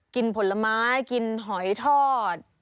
ผลไม้กินหอยทอด